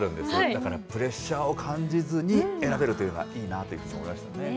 だからプレッシャーを感じずに選べるというのはいいなと思いましたね。